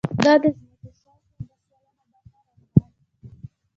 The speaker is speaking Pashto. دا د ځمکې شاوخوا دوه سلنه برخه رانغاړي.